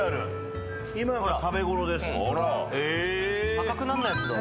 赤くなんないやつだ。